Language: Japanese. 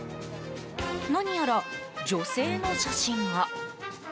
何やら女性の写真が。